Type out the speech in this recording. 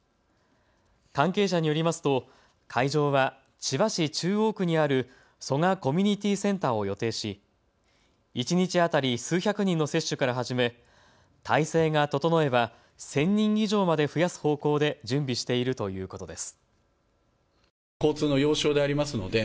関係者によりますと会場は千葉市中央区にある蘇我コミュニティセンターを予定し、一日当たり、数百人の接種から始め体制が整えば１０００人以上まで増やす方向で準備しているということです。